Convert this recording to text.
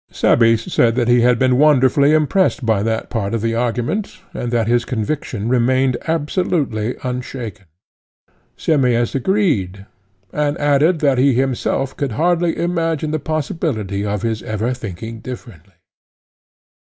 Cebes said that he had been wonderfully impressed by that part of the argument, and that his conviction remained absolutely unshaken. Simmias agreed, and added that he himself could hardly imagine the possibility of his ever thinking differently.